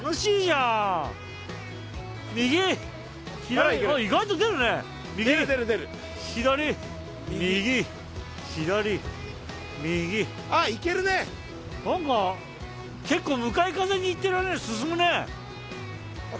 んか結構向かい風に行ってる割には進むね！